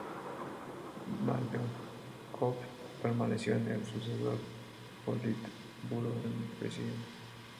Malenkov permaneció en el sucesor del Politburó, el Presidium.